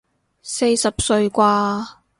四十歲啩